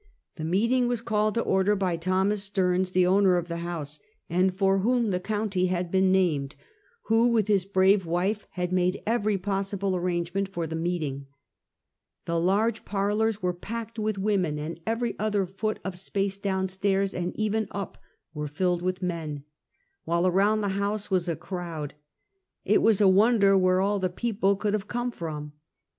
The meeting was called to order by Thomas Stearns, the owner of the house and for whom the county had Speak in Public. 187 been named, who with his brave wife had made every possible arrangement for the meeting. The large par lors were packed with women, and every other foot of space downstairs and even up, were filled with men, while aronnd the house was a crowd. It was a won der where all the peoj)le could have come from.